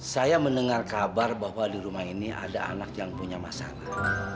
saya mendengar kabar bahwa di rumah ini ada anak yang punya masalah